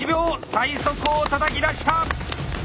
最速をたたき出した！